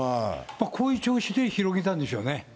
こういう調子で広げたんでしょうね。